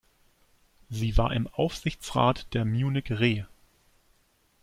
Sie war im Aufsichtsrat der Munich Re.